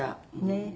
ねえ。